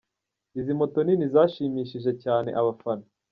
Izi moto nini zashimishije cyane abafana.